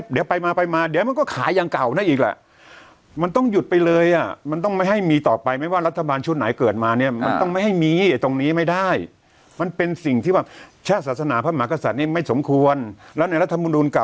ใช่ไหมเราว่าเอามาทำอะไรไม่ได้ห้ามแยก